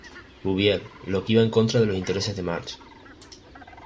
Bouvier, lo que iba en contra de los intereses de Marge.